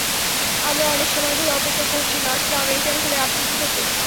আমরা অনেক সময় ধরে অপেক্ষা করছি নার্সরা আমেরিকান হলে আপনি কী করতেন?